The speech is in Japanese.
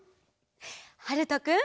はるとくん。